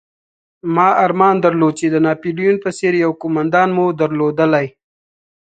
ما ارمان درلود چې د ناپلیون په څېر یو قومندان مو درلودلای.